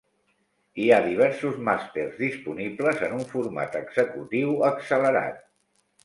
Hi ha diversos màsters disponibles en un format executiu accelerat.